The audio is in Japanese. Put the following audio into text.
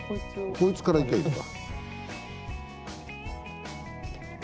こいつからいきゃあいいんだ。